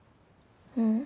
うん。